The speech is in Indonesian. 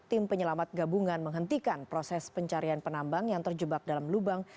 tim penyelamat gabungan menghentikan proses pencarian penambang yang terjebak dalam lubang